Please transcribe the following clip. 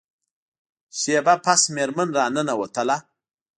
شیبه پس میرمن را ننوتله.